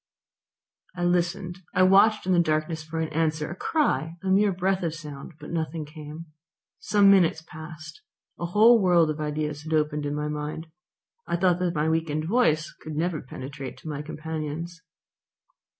I listened, I watched in the darkness for an answer, a cry, a mere breath of sound, but nothing came. Some minutes passed. A whole world of ideas had opened in my mind. I thought that my weakened voice could never penetrate to my companions.